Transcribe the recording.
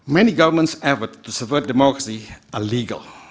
banyak pemerintah berusaha untuk menghancurkan demokrasi secara ilegal